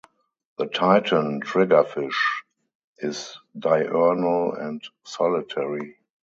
The titan triggerfish is diurnal and solitary.